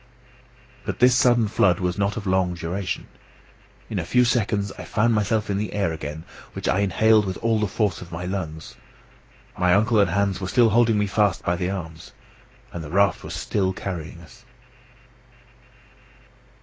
But this sudden flood was not of long duration. In a few seconds I found myself in the air again, which I inhaled with all the force of my lungs. My uncle and Hans were still holding me fast by the arms; and the raft was still carrying us.